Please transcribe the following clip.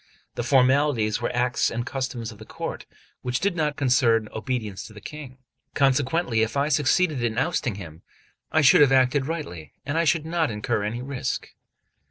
The formalities were acts and customs of the court, which did not concern obedience to the King; consequently, if I succeeded in ousting him, I should have acted rightly, and should not incur any risk.